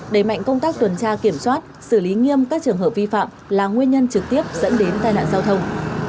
đẩy mạnh công tác tuần tra kiểm soát xử lý nghiêm các trường hợp vi phạm là nguyên nhân trực tiếp dẫn đến tai nạn giao thông